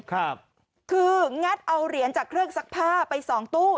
คืองัดเอาเหรียญจากเครื่องซักผ้าไปสองตู้